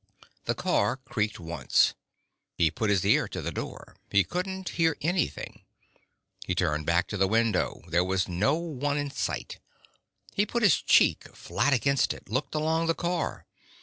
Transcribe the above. The car creaked once. He put his ear to the door. He couldn't hear anything. He turned back to the window. There was no one in sight. He put his cheek flat against it, looked along the car.